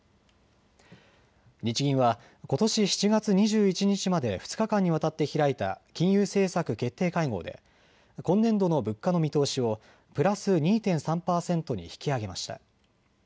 日銀はことし７月２１日まで２日間にわたって開いた金融政策決定会合で今年度の物価の見通しをプラス２．３％に引き上げました。